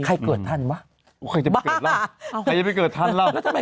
ใครจะไม่เกิดฮั่นว้า